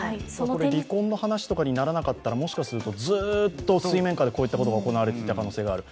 離婚の話とかにならなかったら、もしかしたらずっと水面下でこういうことが行われていた可能性がある。